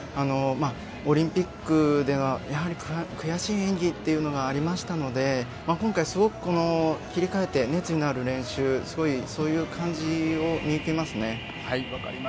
オリンピックではやはり悔しい演技というのがありましたので今回、切り替えて熱意のある練習そういう感じを見受けますね。